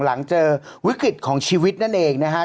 หลังเจอวิกฤตของชีวิตนั่นเองนะฮะ